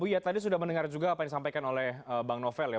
oh ya tadi sudah mendengar juga apa yang disampaikan oleh bang novel ya